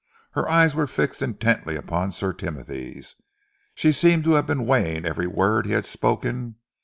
Her eyes were fixed intently upon Sir Timothy's. She seemed to have been weighing every word he had spoken.